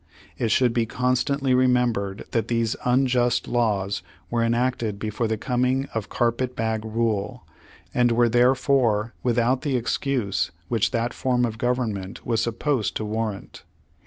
It should be constantly remembered that these unjust laws were enacted before the coming of "carpet bag" rule, and were therefore without the excuse v/hich that form of government was supposed to warrant.